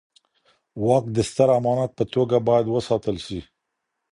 واک د ستر امانت په توګه بايد وساتل سي.